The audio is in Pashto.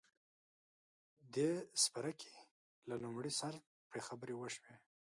دې څپرکي له لومړي سره پرې خبرې وشوې.